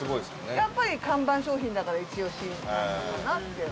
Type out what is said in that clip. やっぱり看板商品だからイチ押しなのかなって。